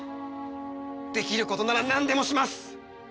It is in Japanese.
できることならなんでもします！